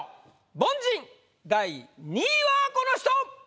凡人第２位はこの人！